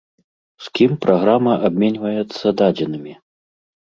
З кім праграма абменьваецца дадзенымі?